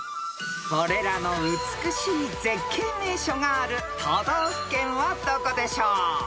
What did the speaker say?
［これらの美しい絶景名所がある都道府県はどこでしょう］